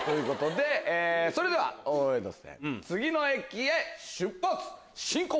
それでは大江戸線次の駅へ出発進行！